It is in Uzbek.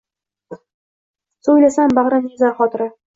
So’ylasam bag’rimni ezar xotira